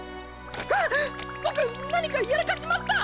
はー⁉ボク何かやらかしました